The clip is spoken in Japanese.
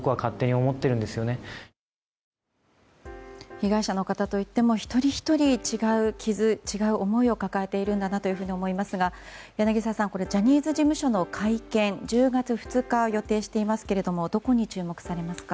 被害者の方といっても一人ひとり、違う傷違う思いを抱えているんだなと思いますが柳澤さんジャニーズ事務所の会見１０月２日を予定されていますがどこに注目されますか？